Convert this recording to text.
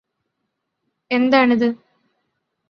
എന്താണിത്